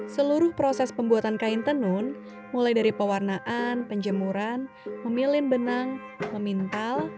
seluruh proses pembuatan kain tenun mulai dari pewarnaan penjemuran memilihn benang memintal